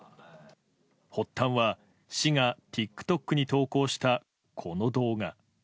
発端は、市がＴｉｋＴｏｋに投稿したこの動画。